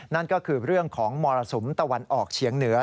นั่นก็คือเรื่องของมรสุมตะวันออกเฉียงเหนือ